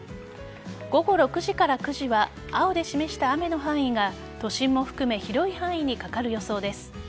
午後６時から９時は青で示した雨の範囲が都心も含め広い範囲にかかる予想です。